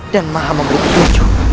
yang maha kuat dan maha menghutuk jujur